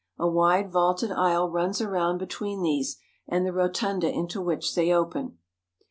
A wide vaulted aisle runs around between these and the rotunda into which they open.